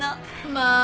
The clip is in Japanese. まあ。